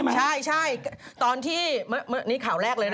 ใช่ใช่นี่แควร์แรกเลย